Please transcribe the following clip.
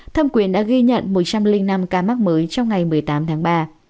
thâm quyền đã ghi nhận một trăm linh năm ca mắc mới trong ngày một mươi tám tháng ba